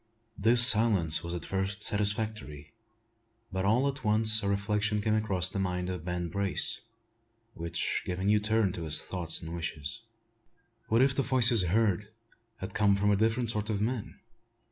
This silence was at first satisfactory; but all at once a reflection came across the mind of Ben Brace, which gave a new turn to his thoughts and wishes. What if the voices heard had come from a different sort of men?